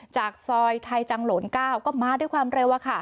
จากซอยไทยจังหลน๙ก็มาด้วยความเร็ว